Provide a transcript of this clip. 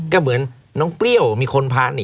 ครับ